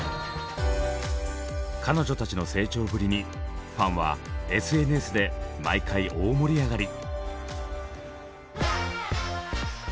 彼女たちの成長ぶりにファンはＳＮＳで毎回大盛り上がり！